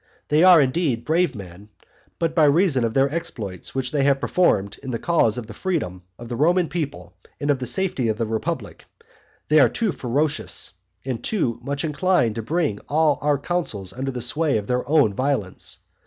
They are, indeed, brave men; but by reason of their exploits which they have performed in the cause of the freedom of the Roman people and of the safety of the republic they are too ferocious and too much inclined to bring all our counsels under the sway of their own violence.